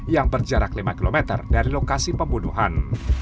yang berjarak lima km dari lokasi pembunuhan